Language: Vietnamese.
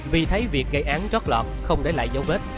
vì thấy việc gây án trót lọt không để lại dấu vết